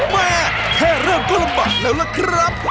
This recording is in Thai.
แม่แค่เรื่องก็ลำบากแล้วล่ะครับ